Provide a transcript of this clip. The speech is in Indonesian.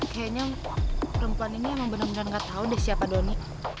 kayaknya perempuan ini emang beneran gak tau deh siapa donny